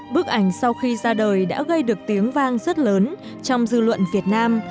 bức ảnh sau khi ra đời đã gây được tiếng vang rất lớn trong dư luận việt nam